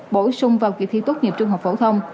bổ sung vào kỳ thi tốt nghiệp trung học phổ thông